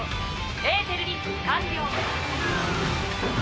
エーテルリンク完了。